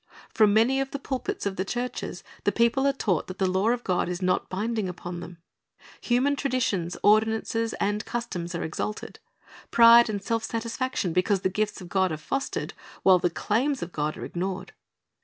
From many of the pulpits of the churches the people are taught that the law of God is not binding upon them. Human traditions, ordinances, and customs are exalted. Pride and self satisfaction because of the gifts of God are fostered, while the claims of God are ignored.